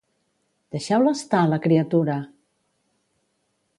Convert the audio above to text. —Deixeu-la estar, la criatura!